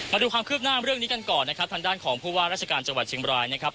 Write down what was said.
มาดูความคืบหน้าเรื่องนี้กันก่อนนะครับทางด้านของผู้ว่าราชการจังหวัดเชียงบรายนะครับ